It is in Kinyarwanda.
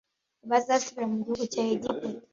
ntibazasubira mu gihugu cya egiputa